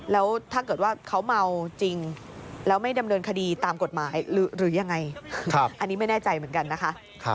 แล้วถ้าเกิดว่าเขาเมาจริงแล้วไม่ดำเนินคดีตามกฎหมายหรือยังไงอันนี้ไม่แน่ใจเหมือนกันนะคะ